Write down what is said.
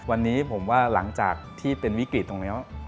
วันนี้ผมว่าหลังจากที่เป็นวิกฤตตรงนี้